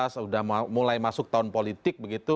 sudah mulai masuk tahun politik begitu